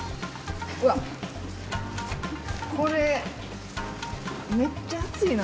うわっこれめっちゃ熱いな。